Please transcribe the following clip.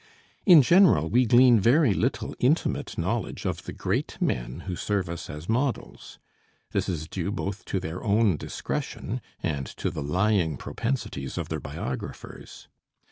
In general we glean very little intimate knowledge of the great men who serve us as models. This is due both to their own discretion and to the lying propensities of their biographers.